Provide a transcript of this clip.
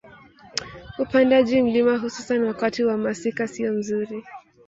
Upandaji mlima hususan wakati wa masika siyo mzuri